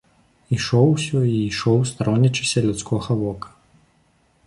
Ішоў усё і ішоў, старонячыся людскога вока.